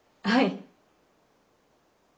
はい。